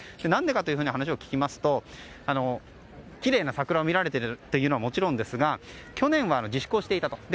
何でかと話を聞きますときれいな桜を見られているというのはもちろんですが去年は自粛をしていたと。